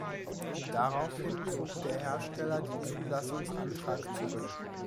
Daraufhin zog der Hersteller den Zulassungsantrag zurück.